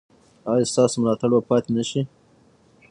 ایا ستاسو ملاتړ به پاتې نه شي؟